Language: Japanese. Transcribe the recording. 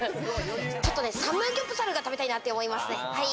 ちょっとね、サムギョプサルが食べたいなって思いますね。